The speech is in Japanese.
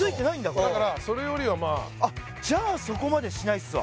これそうそうだからそれよりはまああっじゃそこまでしないっすわ